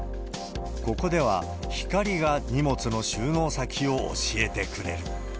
ここでは光が荷物の収納先を教えてくれる。